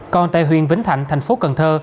còn tại huyện vĩnh thạnh thành phố cần thơ